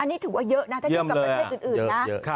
นี่ถือว่าเยอะนะถ้าอยู่กับประเทศอื่นนะ